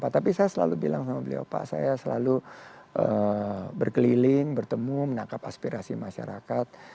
tapi saya selalu bilang sama beliau pak saya selalu berkeliling bertemu menangkap aspirasi masyarakat